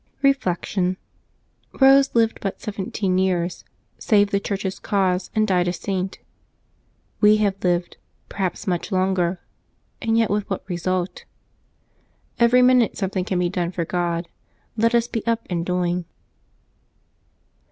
Reflection. — Eose lived but seventeen years, saved the Church's cause, and died a Saint. We have lived, perhaps, much longer, and yet with what result? Every minute something can be done for God. Let us be up and doing.